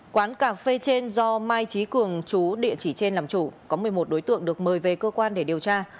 quán cà phê trên do mai trí cường chú địa chỉ trên làm chủ có một mươi một đối tượng được mời về cơ quan để điều tra